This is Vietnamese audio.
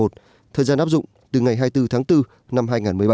thời gian áp dụng từ ngày hai mươi bốn tháng bốn năm hai nghìn một mươi ba